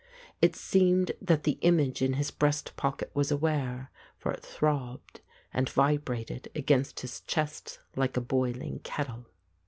It seemed that the image in his breast pocket was aware, for it throbbed and vibrated against his chest like a boiling kettle.